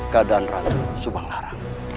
keadaan ratu subanglarang